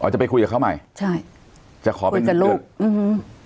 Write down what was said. อ๋อจะไปคุยกับเขาใหม่ใช่จะขอเป็นจะลุกอื้อหือ